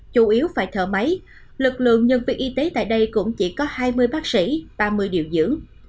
chủ yếu phải thở máy lực lượng nhân viên y tế tại đây cũng chỉ có hai mươi bác sĩ ba mươi điều dưỡng